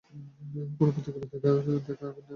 কোনো প্রতিক্রিয়া দেখাবেন না, মাইক।